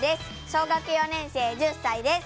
小学４年生１０歳です。